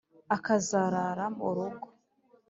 akazarara mu rugo.